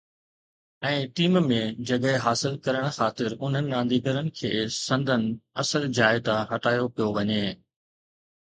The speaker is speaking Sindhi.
۽ ٽيم ۾ جڳهه حاصل ڪرڻ خاطر انهن رانديگرن کي سندن اصل جاءِ تان هٽايو پيو وڃي.